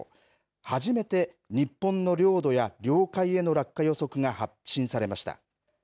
初めて日本の領土や領海への落下予測が発信されました。